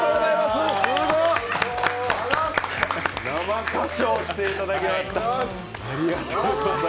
すごーい、生歌唱していただきました。